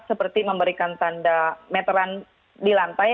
seperti memberikan tanda meteran di lantai